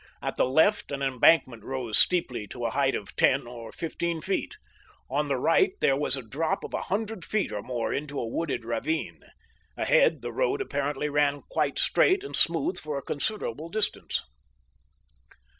At the left an embankment rose steeply to a height of ten or fifteen feet. On the right there was a drop of a hundred feet or more into a wooded ravine. Ahead, the road apparently ran quite straight and smooth for a considerable distance.